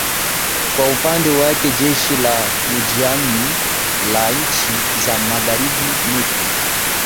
kwa upande wake jeshi la kujihami la nchi za magharibi neto